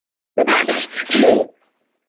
لِبُعْدِ هِمَّتِهِ